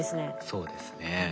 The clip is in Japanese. そうですね。